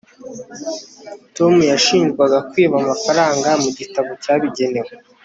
tom yashinjwaga kwiba amafaranga mu gitabo cyabigenewe